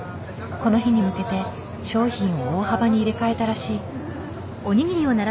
この日に向けて商品を大幅に入れ替えたらしい。